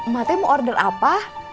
makasih mau order apa